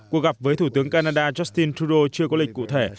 cuộc gặp với thủ tướng canada justin trudeau chưa có lịch cụ thể